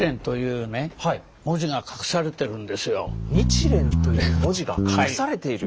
「日蓮」という文字が隠されている？